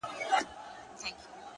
په سترگو دي ړنده سم; که بل چا ته درېږم;